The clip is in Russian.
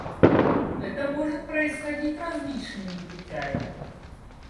Это может происходить различными путями.